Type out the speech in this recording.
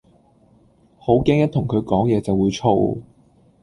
好驚一同佢講野就會燥